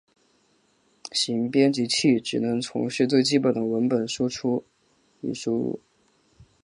行编辑器只能从事最基本的文本输入与输出。